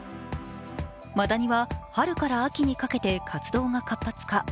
マダニは春から秋にかけて活動が活発化。